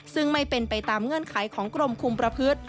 ซึ่งไม่เป็นไปตามเงื่อนไขของกรมคุมประพฤติ